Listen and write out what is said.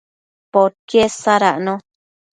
podquied sadacno